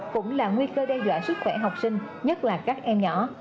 cũng là nguy cơ đe dọa sức khỏe học sinh nhất là các em nhỏ